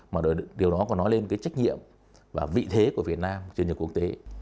mà điều đó còn nói lên cái trách nhiệm và vị thế của việt nam trên trường quốc tế